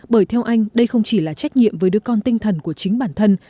bởi theo anh đây không chỉ là trách nhiệm với đứa con tinh thần của chính bản thân